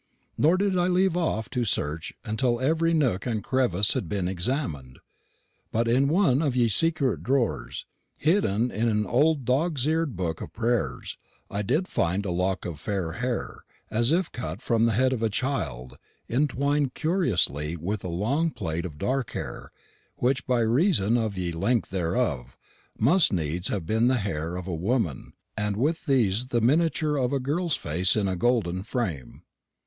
Nor did I leave off to search until ev'ry nook and crevvis had been examin'd. But in one of ye secret drawers, hidden in an old dog's eared book of prayers, I did find a lock of fair hair, as if cut from the head of a child, entwin'd curiously with a long plait of dark hair, which, by reason of ye length thereof, must needs have been the hair of a woman, and with these the miniature of a girl's face in a gold frame.